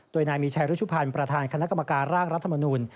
โดยนายมีชัยรุชุพันธ์ประธานคณะกรรมการร่างรัฐมนูล